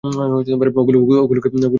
ওগুলোকে গুলি করো!